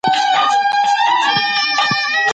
په پښتو د ماشومانو سره خبرې کول، د انزوا احساس کموي.